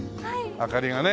明かりがね。